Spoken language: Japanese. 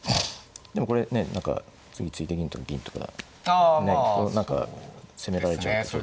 でもこれねえ何か次突いて銀とか銀とかねえ何か攻められちゃうとちょっと。